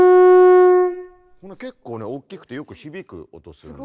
結構ねおっきくてよく響く音するんですよ。